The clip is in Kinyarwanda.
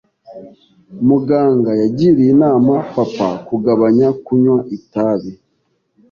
Muganga yagiriye inama papa kugabanya kunywa itabi.